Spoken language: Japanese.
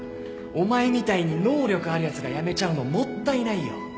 お前みたいに能力あるやつが辞めちゃうのもったいないよ